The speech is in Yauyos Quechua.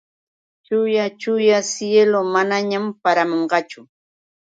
Chuya chuyam siylu. Manañam paramunqachu.